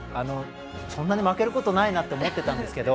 そんなに負けることないなって思ってたんですけど